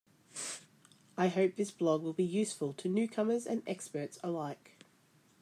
I hope this blog will be useful to newcomers and experts alike.